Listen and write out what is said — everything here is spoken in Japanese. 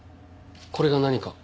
これが何か？